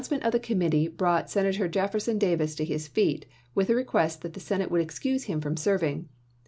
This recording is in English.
ment of the Committee brought Senator Jefferson Davis to his feet, with a request that the Senate would excuse him from serving.